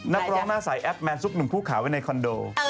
นับร้องหน้าสายแอ๊พแมนท์ซุปหนึ่งคู่ขาวไปในคอนโด